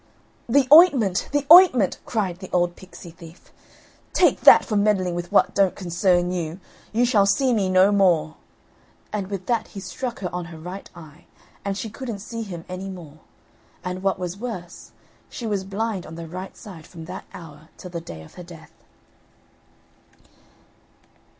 "The ointment! The ointment!" cried the old pixy thief. "Take that for meddling with what don't concern you: you shall see me no more." And with that he struck her on her right eye, and she couldn't see him any more; and, what was worse, she was blind on the right side from that hour till the day of her death.